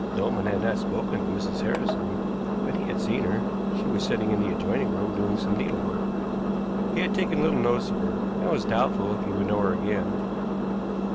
Dolman had not spoken to Mrs. Harrison, but he had seen her. She was sitting in the adjoining room doing some needlework. He had taken little notice of her, and was doubtful if he would know her again.